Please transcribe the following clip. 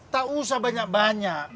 tak usah banyak banyak